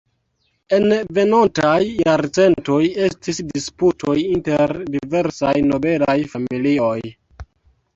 En venontaj jarcentoj estis disputoj inter diversaj nobelaj familioj.